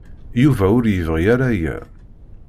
Yuba ur yebɣi ara aya.